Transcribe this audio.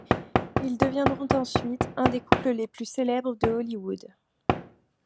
Ils deviendront ensuite un des couples les plus célèbres de Hollywood.